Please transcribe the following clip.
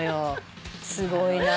すごいな。